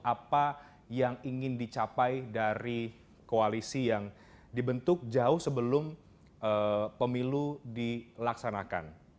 apa yang ingin dicapai dari koalisi yang dibentuk jauh sebelum pemilu dilaksanakan